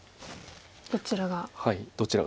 どちらが。